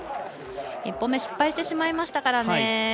１本目失敗してしまいましたからね。